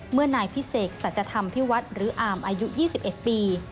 เมื่อนายพิเศษศัตริย์ธรรมภิวัฒน์หรืออามอายุ๒๑ปี